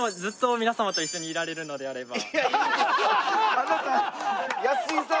あなた安井さん。